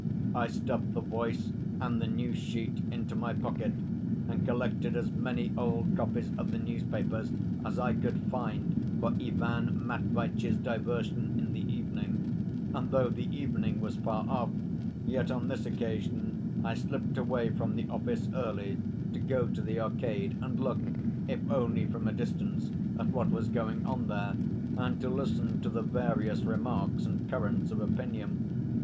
I stuffed the Voice and the News sheet into my pocket and collected as many old copies of the newspapers as I could find for Ivan Matveitch's diversion in the evening, and though the evening was far off, yet on this occasion I slipped away from the office early to go to the Arcade and look, if only from a distance, at what was going on there, and to listen to the various remarks and currents of opinion.